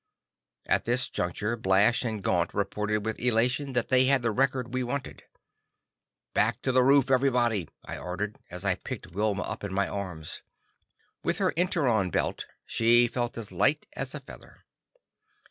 At this juncture, Blash and Gaunt reported with elation that they had the record we wanted. "Back to the roof, everybody!" I ordered, as I picked Wilma up in my arms. With her inertron belt, she felt as light as a feather.